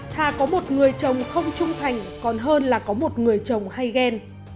thà có một người chồng không trung thành còn hơn là có một người chồng hay ghen